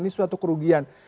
ini suatu kerugian